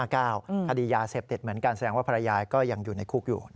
คดียาเสพติดเหมือนกันแสดงว่าภรรยาก็ยังอยู่ในคุกอยู่